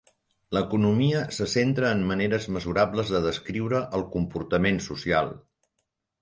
L'economia se centra en maneres mesurables de descriure el comportament social.